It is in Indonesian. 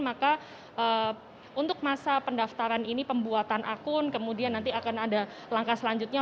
maka untuk masa pendaftaran ini pembuatan akun kemudian nanti akan ada langkah selanjutnya